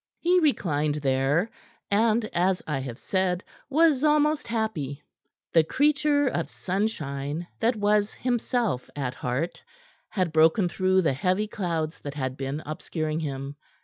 He reclined there, and, as I have said, was almost happy. The creature of sunshine that was himself at heart, had broken through the heavy clouds that had been obscuring him.